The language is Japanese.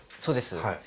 そうです。